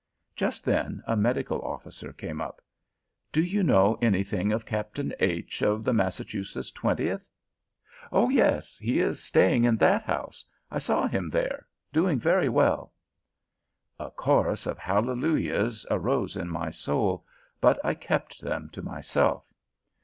Just then a medical officer came up. "Do you know anything of Captain H. of the Massachusetts Twentieth?" "Oh yes; he is staying in that house. I saw him there, doing very well." A chorus of hallelujahs arose in my soul, but I kept them to myself.